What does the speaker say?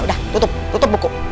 udah tutup tutup buku